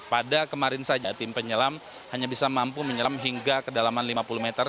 pada kemarin saja tim penyelam hanya bisa mampu menyelam hingga kedalaman lima puluh meter